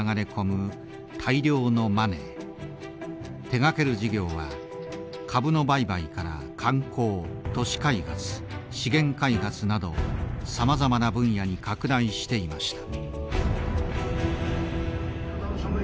手がける事業は株の売買から観光都市開発資源開発などさまざまな分野に拡大していました。